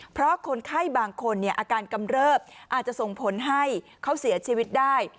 เพราะคนไข้บางคนอาการกำเริบอาจจะส่งผลให้เขาเสียชีวิตได้